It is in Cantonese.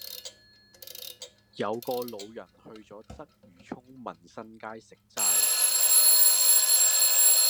有個老人去左鰂魚涌民新街食齋